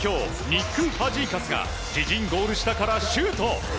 ニック・ファジーカスが自陣ゴール下からシュート。